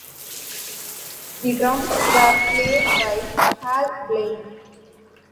The drums were played by Hal Blaine.